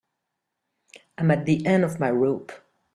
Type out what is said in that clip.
I'm at the end of my rope.